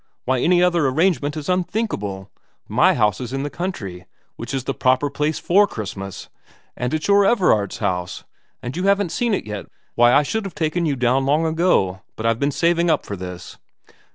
Why, any other arrangement is unthinkable. My house is in the country, which is the proper place for Christmas, and xi VERA 123 it's your Everard's house, and you haven't seen it yet why, I would have taken you down long ago, but I've been saving up for this.'